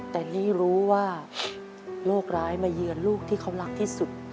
แต่นี่รู้ว่าโรคร้ายมาเยือนลูกที่เขารักที่สุด